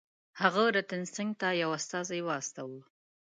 هغه رتن سینګه ته یو استازی واستاوه.